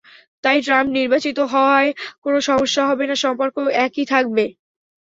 তাই ট্রাম্প নির্বাচিত হওয়ায় কোনো সমস্যা হবে না, সম্পর্ক একই থাকবে।